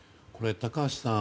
高橋さん